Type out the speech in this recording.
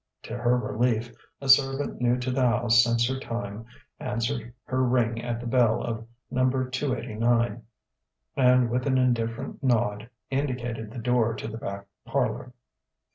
To her relief, a servant new to the house since her time, answered her ring at the bell of Number 289, and with an indifferent nod indicated the door to the back parlour.